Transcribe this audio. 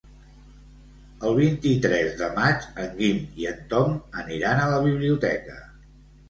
El vint-i-tres de maig en Guim i en Tom aniran a la biblioteca.